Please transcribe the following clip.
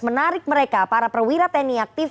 menarik mereka para perwira tni aktif